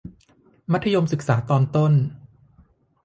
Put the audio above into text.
มัธยมศึกษาตอนต้น